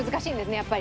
やっぱり。